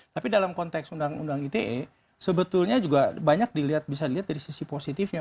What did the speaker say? tapi dalam konteks undang undang ite sebetulnya juga banyak bisa dilihat dari sisi positifnya